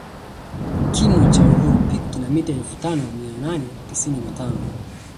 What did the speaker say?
Kimo cha uhuru peak kina mita elfu tano mia nane tisini na tano